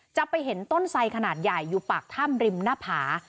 จะไปเห็นต้นไสขนาดใหญ่อยู่ปากถ้ำริมหน้าผา